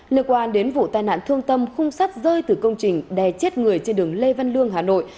liên quan đến vụ tai nạn thương tâm khung sắt rơi từ công trình đè chết người trên đường lê văn lương hà nội